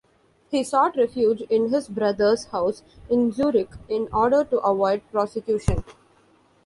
He sought refuge in his brother's house in Zurich in order to avoid prosecution.